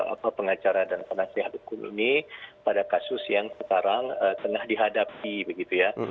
apa pengacara dan penasihat hukum ini pada kasus yang sekarang tengah dihadapi begitu ya